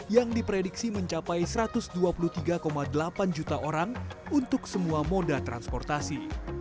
yang diprediksi mencapai satu ratus dua puluh tiga delapan juta orang untuk semua moda transportasi